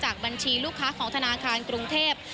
บัญชีลูกค้าของธนาคารกรุงเทพ